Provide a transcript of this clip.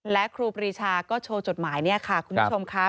และครูปรีชาก็โชว์จดหมายเนี่ยค่ะคุณผู้ชมค่ะ